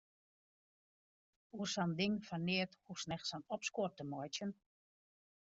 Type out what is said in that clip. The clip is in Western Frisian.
Oer sa'n ding fan neat hoechst net sa'n opskuor te meitsjen.